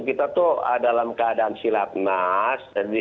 kita tuh dalam keadaan silat nas